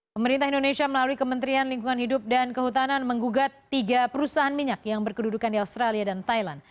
pemerintah indonesia melalui kementerian lingkungan hidup dan kehutanan menggugat tiga perusahaan minyak yang berkedudukan di australia dan thailand